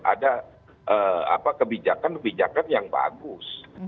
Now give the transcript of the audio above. ada kebijakan kebijakan yang bagus